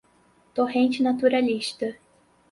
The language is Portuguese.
torrente naturalista